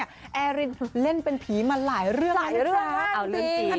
แอรินเล่นเป็นผีมาหลายเรื่องมากจริง